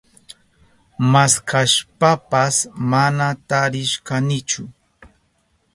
Maskashpapas mana tarishkanichu.